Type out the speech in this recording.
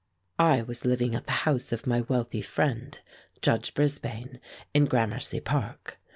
I was living at the house of my wealthy friend, Judge Brisbane, in Gramercy Park.